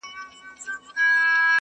هر کور کي لږ غم شته,